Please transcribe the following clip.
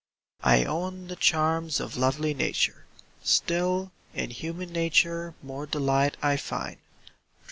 I own the charms of lovely Nature; still, In human nature more delight I find.